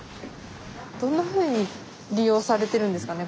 どんなふうに利用されてるんですかね